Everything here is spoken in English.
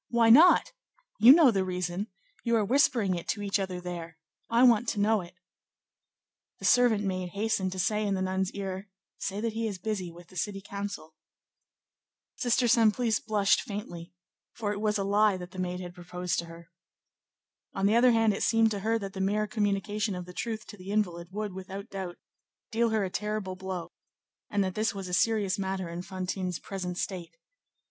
Why not? You know the reason. You are whispering it to each other there. I want to know it." The servant maid hastened to say in the nun's ear, "Say that he is busy with the city council." Sister Simplice blushed faintly, for it was a lie that the maid had proposed to her. On the other hand, it seemed to her that the mere communication of the truth to the invalid would, without doubt, deal her a terrible blow, and that this was a serious matter in Fantine's present state.